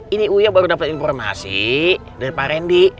ini uya baru dapet informasi dari pak rendy